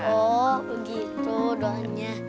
oh begitu doanya